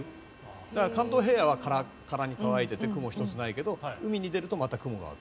だから、関東平野はカラカラに乾いていて雲一つないけど海に出るとまた雲が湧く。